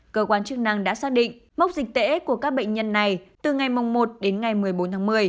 cơ quan chức năng đã xác định mốc dịch tễ của các bệnh nhân này từ ngày một đến ngày một mươi bốn tháng một mươi